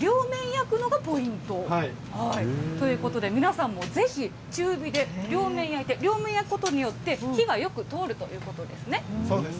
両面焼くのがポイント、ということで、皆さんもぜひ中火で両面焼いて、両面焼くことによって、火がよく通るということですね。